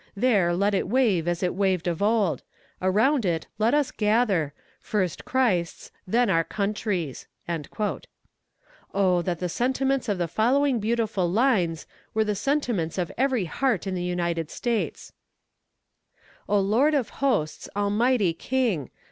There let it wave as it waved of old. Around it let us gather: first Christ's; then our country's." Oh, that the sentiments of the following beautiful lines were the sentiments of every heart in the United States: O Lord of Hosts! Almighty King!